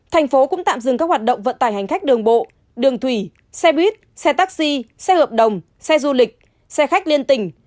thành phố cũng tạm dừng các hoạt động vận tải hành khách đường bộ đường thủy xe buýt xe taxi xe hợp đồng xe du lịch xe khách liên tỉnh